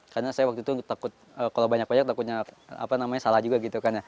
karena saya waktu itu takut kalau banyak banyak takutnya salah juga gitu